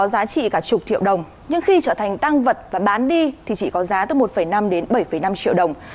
công an tp buôn ma thuật đã truy thu được một mươi triệu đồng nhưng khi trở thành tăng vật và bán đi thì chỉ có giá từ một năm đến bảy năm triệu đồng